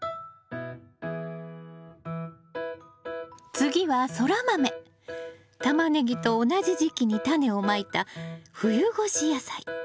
次はタマネギと同じ時期にタネをまいた冬越し野菜。